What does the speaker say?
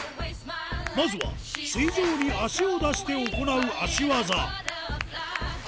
まずは、水上に足を出して行う足技。